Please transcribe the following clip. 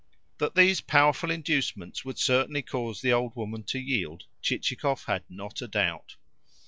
That these powerful inducements would certainly cause the old woman to yield Chichikov had not a doubt.